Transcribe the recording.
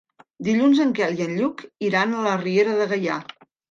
Dilluns en Quel i en Lluc iran a la Riera de Gaià.